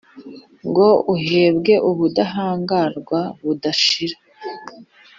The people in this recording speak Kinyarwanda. ngo uhembwe ubudahangarwa budashira,